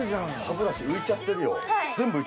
歯ブラシ浮いちゃってるよ。